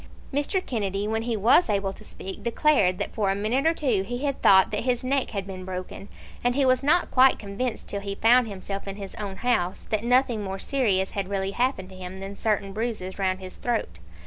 Mr. Kennedy, when he was able to speak, declared that for a minute or two he had thought that his neck had been broken; and he was not quite convinced till he found himself in his own house, that nothing more serious had really happened to him than certain bruises round his throat.